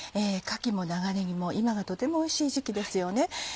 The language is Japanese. かきも長ねぎも今がとてもおいしい時期ですよね。